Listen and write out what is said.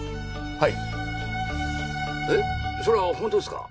はい！